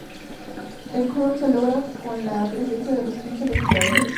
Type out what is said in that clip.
El cuórum se logra con la presencia de los quince legisladores.